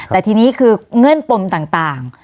แต่ทีนี้คือเงื่อนปมต่าง